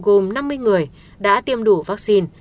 gồm năm mươi người đã tiêm đủ vaccine